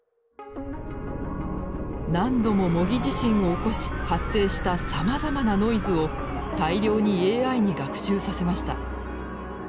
何度も模擬地震を起こし発生したさまざまなノイズを大量にＡＩに学習させました。